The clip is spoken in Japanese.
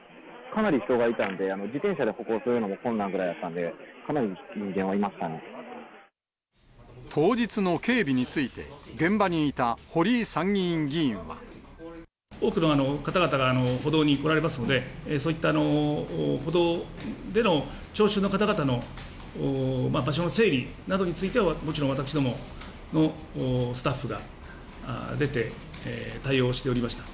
かなり人がいたんで、自転車で歩行するのも困難ぐらいな感じだったんで、かなり人がい当日の警備について、多くの方々が歩道におられますので、そういった歩道での聴衆の方々の場所の整備などについては、もちろん私どものスタッフが出て、対応しておりました。